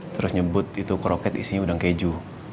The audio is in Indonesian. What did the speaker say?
terus nyebut itu kroket isinya udang keju